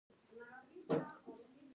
جمله مې اوږده شوه.